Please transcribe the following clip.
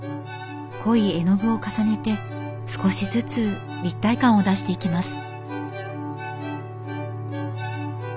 濃い絵の具を重ねて少しずつ立体感を出していきます。